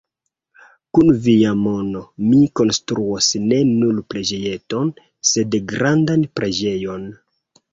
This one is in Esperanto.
Kun via mono mi konstruos ne nur preĝejeton, sed grandan preĝejon.